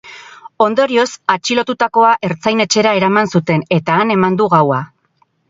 Ondorioz, atxilotutakoa ertzain-etxera eraman zuten, eta han eman du gaua.